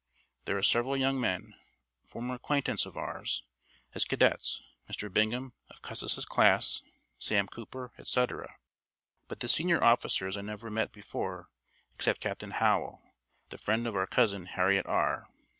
There are several young men, former acquaintance of ours, as cadets, Mr. Bingham of Custis's class, Sam Cooper, etc., but the senior officers I never met before, except Captain Howe, the friend of our Cousin Harriet R